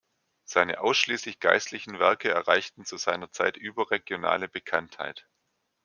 Seine ausschließlich geistlichen Werke erreichten zu seiner Zeit überregionale Bekanntheit.